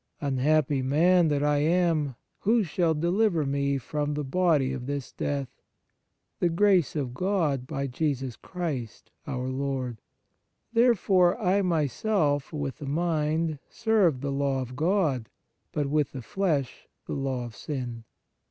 Unhappy man that I am, who shall deliver me from the body of this death ? The grace of God by Jesus Christ our Lord. Therefore I my self, with the mind, serve the law of God ; but, with the flesh, the law of sin."